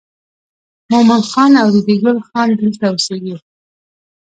مومن خان او ریډي ګل خان دلته اوسېږي.